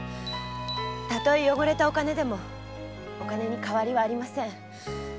たとえ汚れたお金でもお金に変わりはありません。